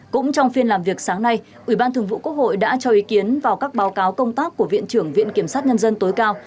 cũng trong phiên làm việc sáng nay ủy ban thường vụ quốc hội đã cho ý kiến vào các báo cáo công tác của viện trưởng viện kiểm sát nhân dân tối cao